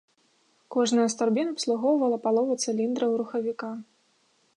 Кожная з турбін абслугоўвала палову цыліндраў рухавіка.